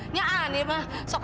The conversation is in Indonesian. ini aneh sok